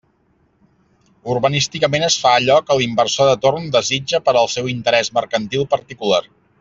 Urbanísticament es fa allò que l'inversor de torn desitja per al seu interés mercantil particular.